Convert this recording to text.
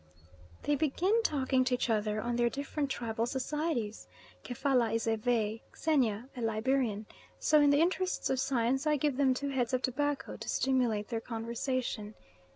They begin talking to each other on their different tribal societies; Kefalla is a Vey, Xenia a Liberian, so in the interests of Science I give them two heads of tobacco to stimulate their conversation.